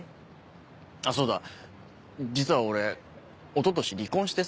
あそうだ実は俺おととし離婚してさ。